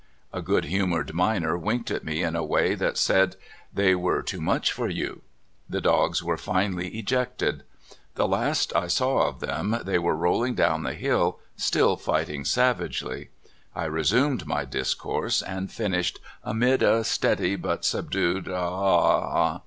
A good humored miner winked at me in a way that said: "They were too much for you." The dogs were finally ejected. The last I saw of them they were roll ing down the hill, still fighting savagely. I re LOST ON TABLE MOUNTAIN. 25 sumed my discourse, and finished amid a steady but subdued a a a a a h